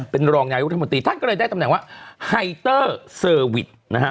เป็นรองนายุทธมนตรีท่านก็เลยได้ตำแหน่งว่าไฮเตอร์เซอร์วิสนะฮะ